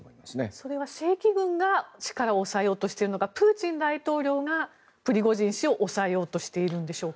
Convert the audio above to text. それは正規軍が力を抑えようとしているのかプーチン大統領がプリゴジン氏を抑えようとしているんでしょうか。